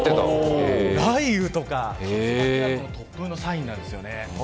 雷雨とか突風のサインなんですよね。